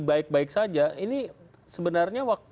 baik baik saja ini sebenarnya